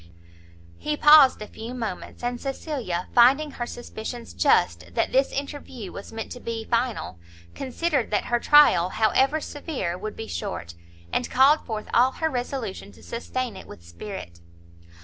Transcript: He paused a few moments; and Cecilia finding her suspicions just that this interview was meant to be final, considered that her trial, however severe, would be short, and called forth all her resolution to sustain it with spirit.